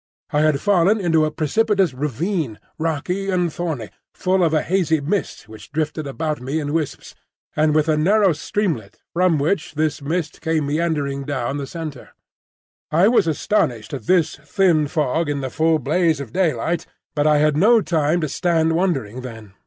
I had fallen into a precipitous ravine, rocky and thorny, full of a hazy mist which drifted about me in wisps, and with a narrow streamlet from which this mist came meandering down the centre. I was astonished at this thin fog in the full blaze of daylight; but I had no time to stand wondering then.